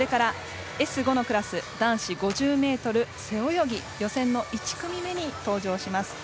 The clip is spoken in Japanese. これからＳ５のクラス男子５０ｍ背泳ぎ予選の１組目に登場します。